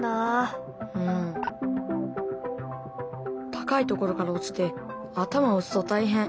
高い所から落ちて頭を打つと大変。